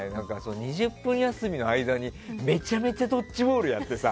２０分休みの間にめちゃくちゃドッジボールやってさ。